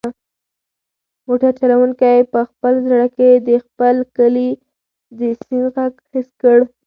موټر چلونکي په خپل زړه کې د خپل کلي د سیند غږ حس کړ.